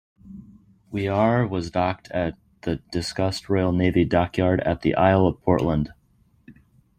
"Weare" was docked at the disused Royal Navy dockyard at the Isle of Portland.